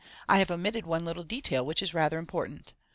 1 have omitted one little detail which is rather important.